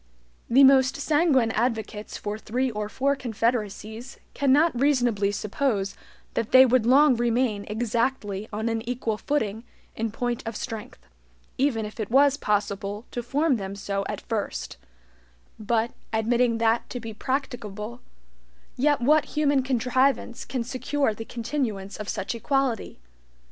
The most sanguine advocates for three or four confederacies cannot reasonably suppose that they would long remain exactly on an equal footing in point of strength, even if it was possible to form them so at first; but, admitting that to be practicable, yet what human contrivance can secure the continuance of such equality?